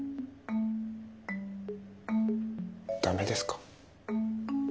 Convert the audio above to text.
ダメですか？